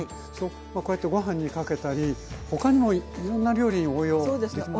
まあこうやってご飯にかけたり他にもいろんな料理に応用できますよね。